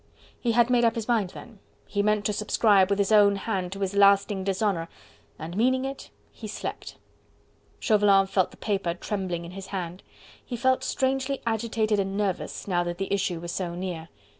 He had made up his mind then.... He meant to subscribe with his own hand to his lasting dishonour... and meaning it, he slept! Chauvelin felt the paper trembling in his hand. He felt strangely agitated and nervous, now that the issue was so near...